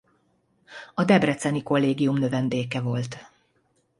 A debreceni kollégium növendéke volt.